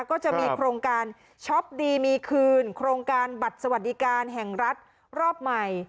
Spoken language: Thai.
ก็จะมีโครงการช็อปดีมีคืนโครงการบัตรสวัสดิการแห่งรัฐรอบใหม่